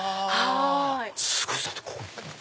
すごい！だってここ。